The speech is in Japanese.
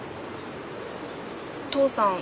父さん